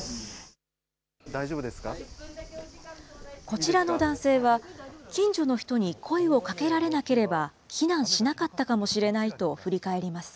こちらの男性は、近所の人に声をかけられなければ、避難しなかったかもしれないと振り返ります。